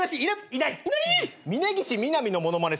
いない。